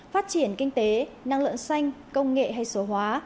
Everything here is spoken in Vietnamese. phát triển kinh tế năng lượng xanh công nghệ hay số hóa